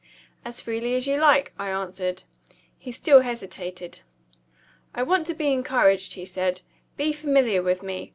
"As freely as you like," I answered. He still hesitated. "I want to be encouraged," he said. "Be familiar with me.